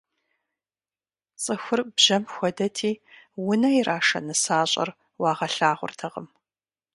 ЦӀыхур бжьэм хуэдэти, унэ ирашэ нысащӀэр уагъэлъагъуртэкъым.